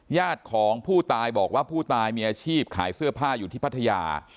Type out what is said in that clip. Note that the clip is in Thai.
ญาติของผู้ตายบอกว่าผู้ตายมีอาชีพขายเสื้อผ้าอยู่ที่พัทยา